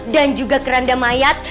dan juga keranda mayat